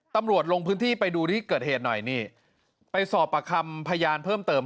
ลงพื้นที่ไปดูที่เกิดเหตุหน่อยนี่ไปสอบประคำพยานเพิ่มเติม